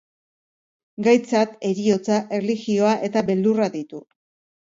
Gaitzat heriotza, erlijioa eta beldurra ditu.